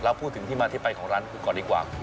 พูดถึงที่มาที่ไปของร้านก่อนดีกว่า